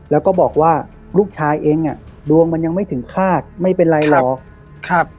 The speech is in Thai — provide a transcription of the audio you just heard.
แล้วก็บอกว่าลูกชายเองอ่ะดวงมันยังไม่ถึงคาดไม่เป็นไรหรอกครับ